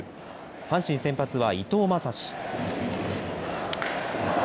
阪神先発は伊藤将司。